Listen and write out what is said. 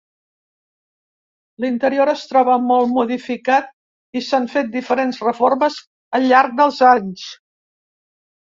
L'interior es troba molt modificat i s'han fet diferents reformes al llarg dels anys.